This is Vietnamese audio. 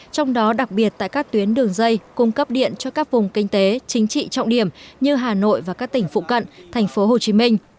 trong đó đặc biệt tại các tuyến đường dây cung cấp điện cho các vùng kinh tế chính trị trọng điểm như hà nội và các tỉnh phụ cận thành phố hồ chí minh